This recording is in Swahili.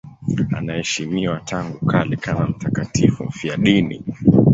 Anaheshimiwa tangu kale kama mtakatifu mfiadini.